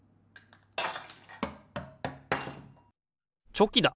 チョキだ！